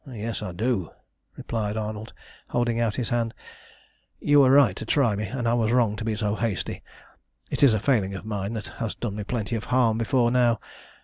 "Yes, I do," replied Arnold, holding out his hand, "you were right to try me, and I was wrong to be so hasty. It is a failing of mine that has done me plenty of harm before now.